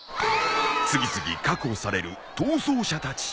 次々確保される逃走者たち。